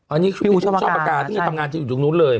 อันนี้พี่อู๋ชอบปากกาซึ่งทำงานที่อยู่ตรงนู้นเลย